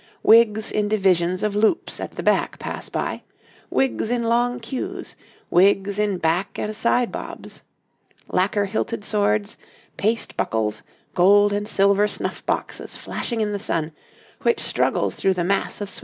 Wigs in three divisions of loops at the back pass by, wigs in long queues, wigs in back and side bobs. Lacquer hilted swords, paste buckles, gold and silver snuff boxes flashing in the sun, which struggles through the mass of swinging signs.